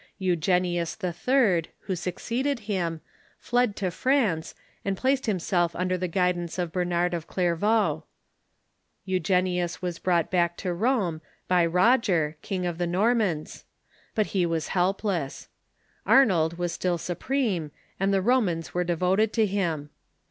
Eugenius III., Avho succeeded him, fled to France, and placed himself under the guidance of Bernard of Clairvaux. Euge nius was brought back to Rome by Roger, King of the Nor mans. But he was helpless. Arnold was still supreme, and the Romans were devoted to him.